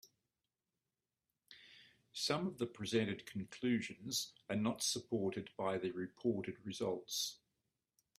Some of the presented conclusions are not supported by the reported results.